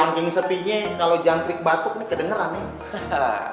sangking sepinye kalo jangan klik batuk nih kedengeran nih